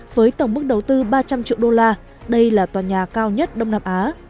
với tổng mức đầu tư ba trăm linh triệu đô la đây là tòa nhà cao nhất đông nam á